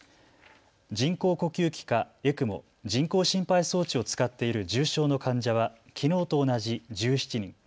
人工呼吸器かＥＣＭＯ・人工心肺装置を使っている重症の患者はきのうと同じ１７人。